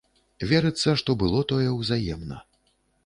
Верыцца, што было тое ўзаемна.